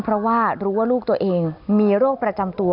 เพราะว่ารู้ว่าลูกตัวเองมีโรคประจำตัว